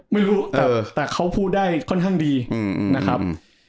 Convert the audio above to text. ไม่รู้แต่เขาพูดได้ค่อนข้างดีนะครับ